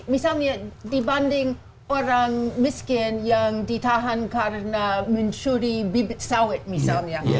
misalnya dibanding orang miskin yang ditahan karena mencuri bibit sawit misalnya